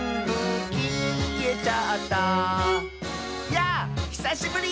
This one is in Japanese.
「やぁひさしぶり！」